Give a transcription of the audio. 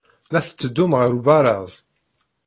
La tetteddum ɣer ubaraz.